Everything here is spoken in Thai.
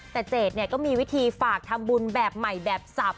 แต่เจดเนี่ยก็มีวิธีฝากทำบุญแบบใหม่แบบสับ